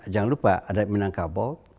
jangan lupa ada yang menangkap